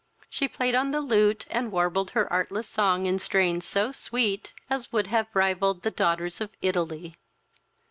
She played on the lute, and warbled her artless song in strains so sweet, as would have rivalled the daughters of Italy.